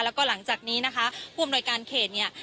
แล้วก็หลังจากนี้นะคะผู้อำนวยการเขตเนี่ย